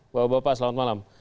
bapak bapak selamat malam